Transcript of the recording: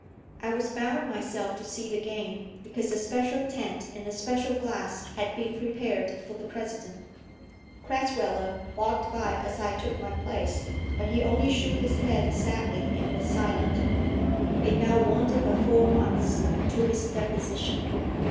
I was bound myself to see the game, because a special tent and a special glass had been prepared for the President. Crasweller walked by as I took my place, but he only shook his head sadly and was silent. It now wanted but four months to his deposition.